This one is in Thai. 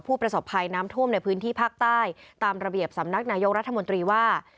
ผู้ประสบภัยน้ำท่วมในพื้นที่ภาคใต้ตามระเบียบสำนักนายกรัฐมนตรีว่า